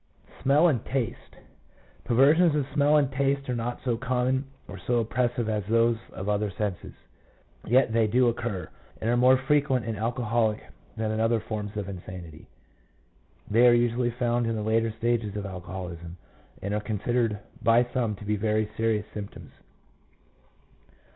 1 Smell and Taste. — Perversions of smell and taste are not so common or so oppressive as those of the other senses; yet they do occur, and are more frequent in alcoholic than in other forms of insanity. 2 They are usually found in the later stages of alcoholism, and are considered by some to be very serious symptoms.